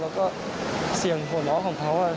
แล้วก็เสียงขอดร้อยละของเขา